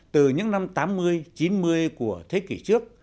từ những năm tám mươi chín mươi của thế kỷ trước